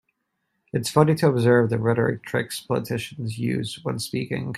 It's funny to observe the rhetoric tricks politicians use when speaking.